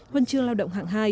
huân chương lao động hạng hai